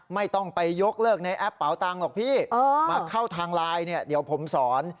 ไม่ต้องไปยกเลิกในแอปเป๋าตังค์หรอกพี่มาเข้าทางไลน์เนี่ยเดี๋ยวผมสอน